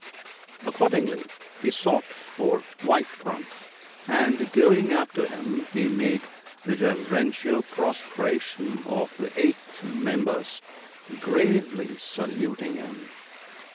Accordingly, he sought for ' White front,' and, going up to him, he made the reverential prostration of the eight members ( 44 ), gravely saluting him.